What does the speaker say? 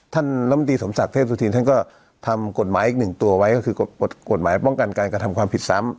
ลำตีสมศักดิ์เทพสุธินท่านก็ทำกฎหมายอีกหนึ่งตัวไว้ก็คือกฎหมายป้องกันการกระทำความผิดซ้ำ